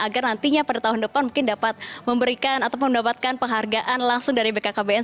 agar nantinya pada tahun depan mungkin dapat memberikan atau mendapatkan penghargaan langsung dari bkkbn